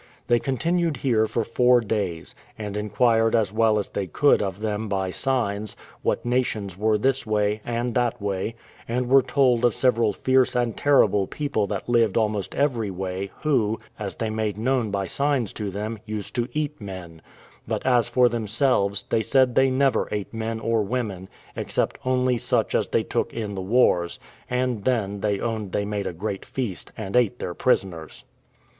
They continued here for four days, and inquired as well as they could of them by signs, what nations were this way, and that way, and were told of several fierce and terrible people that lived almost every way, who, as they made known by signs to them, used to eat men; but, as for themselves, they said they never ate men or women, except only such as they took in the wars; and then they owned they made a great feast, and ate their prisoners.